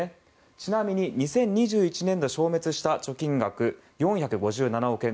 ちなみに２０２１年度に消滅した貯金額４５７億円。